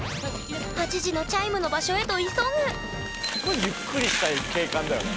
８時のチャイムの場所へと急ぐすごいゆっくりしたい景観だよね。